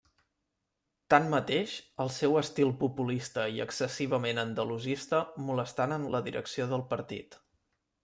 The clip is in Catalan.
Tanmateix, el seu estil populista i excessivament andalusista molestaren la direcció del partit.